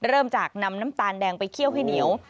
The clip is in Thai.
เริ่มจากนำน้ำตาลแดงไปเคี่ยวให้เหนียว